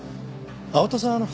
青田さん